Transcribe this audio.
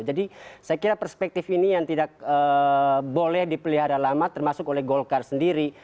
jadi saya kira perspektif ini yang tidak boleh dipelihara lama termasuk oleh golkar sendiri